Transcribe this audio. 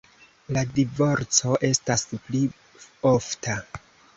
La divorco estas pli ofta.